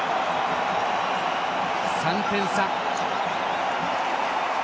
３点差。